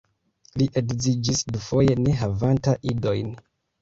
Li edziĝis dufoje ne havanta idojn.